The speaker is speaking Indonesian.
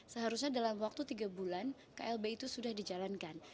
seharusnya dalam waktu tiga bulan klb itu sudah dijalankan